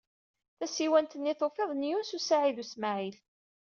Tasiwant-nni i tufiḍ, n Yunes u Saɛid u Smaɛil?